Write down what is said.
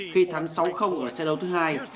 khi thắng sáu ở xét đấu thứ hai